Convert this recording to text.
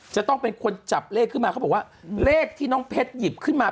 จะต้องเป็นคนจับเลขขึ้นมาเขาบอกว่าเลขที่น้องเพชรหยิบขึ้นมา